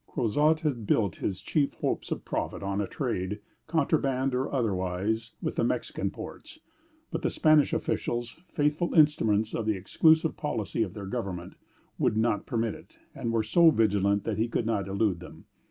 Crozat had built his chief hopes of profit on a trade, contraband or otherwise, with the Mexican ports; but the Spanish officials, faithful instruments of the exclusive policy of their government, would not permit it, and were so vigilant that he could not elude them.